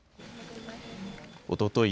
おととい